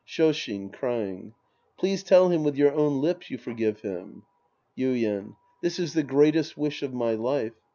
Shoshin {crying). Please tell him with your own lips you forgive him. Yuien. This is the greatest wish of my life.